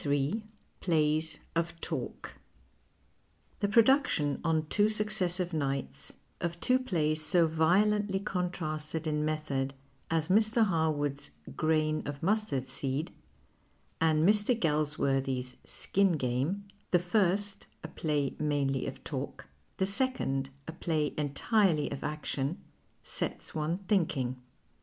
121 PLAYS OF TALK The production on two successive nights of two plays so violently contrasted in method as Mr. Har wood's Grain of Mustard Seed and Mr. Galsworthy's Skin Game — the first a jilay mainly of talk, the second a play entirely of action — sets one thinking.